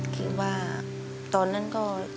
คิดว่าตอนนั้นก็